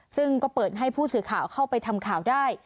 ซึ่งก็เปิดให้ผู้สื่อข่าวเข้าไปทำข่าวได้